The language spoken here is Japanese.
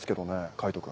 海斗君。